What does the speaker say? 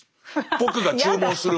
僕が注文する前に。